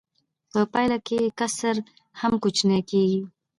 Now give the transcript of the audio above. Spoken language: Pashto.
په پایله کې کسر هم کوچنی کېږي